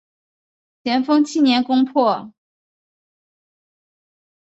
咸丰七年攻破。